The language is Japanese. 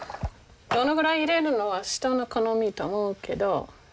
どのぐらい入れるのは人の好みと思うけど。